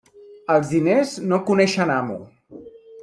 Els diners no coneixen amo.